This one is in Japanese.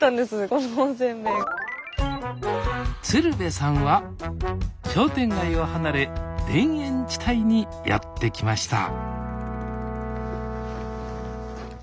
鶴瓶さんは商店街を離れ田園地帯にやって来ました